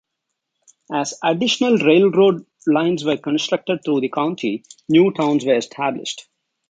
As additional railroad lines were constructed through the county, new towns were established.